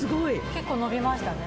結構伸びましたね。